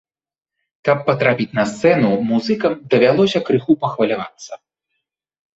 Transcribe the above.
Каб патрапіць на сцэну, музыкам давялося крыху пахвалявацца.